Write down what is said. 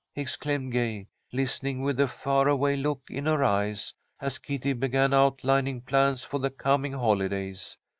exclaimed Gay, listening with a far away look in her eyes, as Kitty began outlining plans for the coming holidays.